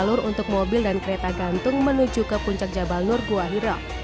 halur untuk mobil dan kereta gantung menuju ke puncak jabal nur kewahiro